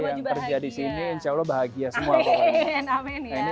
jadi yang kerja di sini insya allah bahagia semua bawah ini